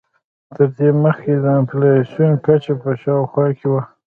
تر دې مخکې د انفلاسیون کچه په شاوخوا کې وه.